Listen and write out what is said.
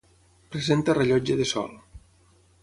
Presenta rellotge de sol.